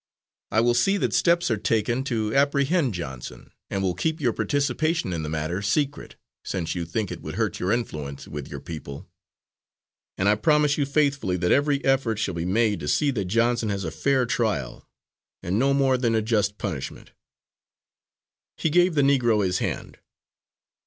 I will see that steps are taken to apprehend Johnson, and will keep your participation in the matter secret, since you think it would hurt your influence with your people. And I promise you faithfully that every effort shall be made to see that Johnson has a fair trial and no more than a just punishment." He gave the Negro his hand.